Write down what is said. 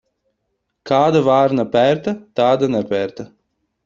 Kāda vārna pērta, tāda nepērta.